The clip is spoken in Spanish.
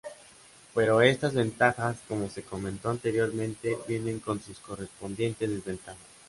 Pero estas ventajas como se comentó anteriormente vienen con sus correspondiente desventajas.